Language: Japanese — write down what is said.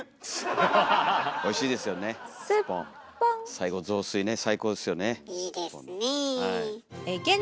最後雑炊ね最高ですよねすっぽんの。